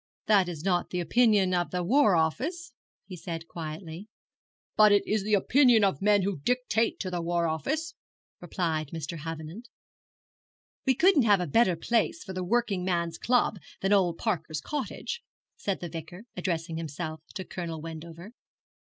'That is not the opinion of the War Office,' he said quietly. 'But it is the opinion of men who dictate to the War Office,' replied Mr. Havenant. 'We couldn't have a better place for the working men's club than old Parker's cottage,' said the Vicar, addressing himself to Colonel Wendover.